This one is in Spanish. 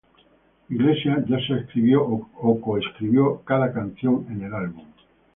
Iglesias ya sea escribió o co-escribió cada canción en el álbum.